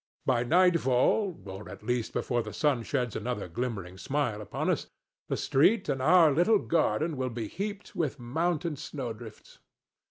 By nightfall—or, at least, before the sun sheds another glimmering smile upon us—the street and our little garden will be heaped with mountain snowdrifts.